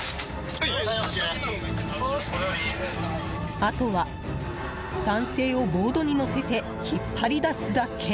あとは男性をボードに乗せて引っ張り出すだけ。